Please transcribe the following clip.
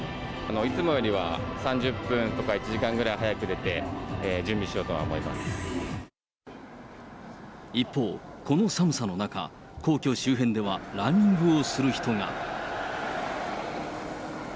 いつもよりは３０分とか１時間ぐらい早く出て、一方、この寒さの中、皇居周辺ではランニングをする人が。